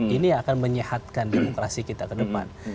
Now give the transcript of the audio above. ini akan menyehatkan demokrasi kita ke depan